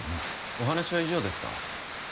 お話は以上ですか？